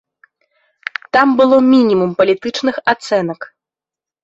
Там было мінімум палітычных ацэнак.